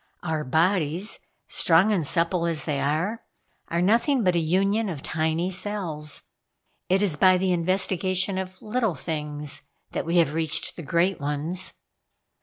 Our bodies, strong and supple as they are, are nothing but a union of tiny cells. It is by the investigation of little things that we have reached the great ones."